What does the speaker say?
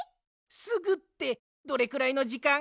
「すぐ」ってどれくらいのじかん？